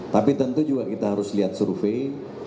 tapi tentu juga kita harus lihat survei